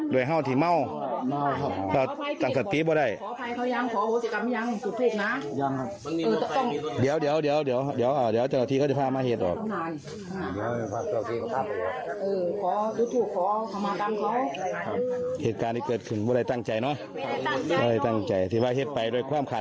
โดยการที่เกิดขึ้นมึงเลยตั้งใจนะก็ตั้งใจว่ะเหตุไปเลยความขาด